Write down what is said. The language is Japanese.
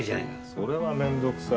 それは面倒くさい。